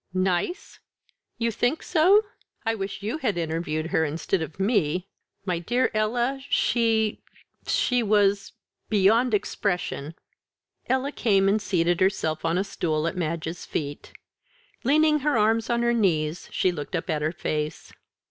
"Nice? You think so? I wish you had interviewed her instead of me. My dear Ella, she she was beyond expression." Ella came and seated herself on a stool at Madge's feet. Leaning her arms on her knees she looked up at her face.